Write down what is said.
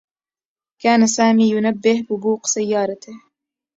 كان سامي ينبّه ببوق سيّارته.